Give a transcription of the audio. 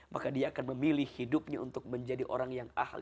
maka dia akan memilih hidupnya untuk menjadi orang yang ahli